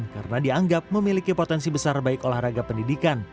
karena dianggap memiliki potensi besar baik olahraga pendidikan